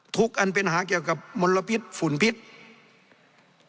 อันเป็นหาเกี่ยวกับมลพิษฝุ่นพิษ